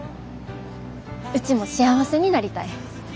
うちも幸せになりたい。